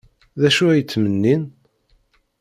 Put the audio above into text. D acu ay ttmennin?